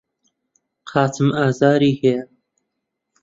قاچم ئازاری هەیە.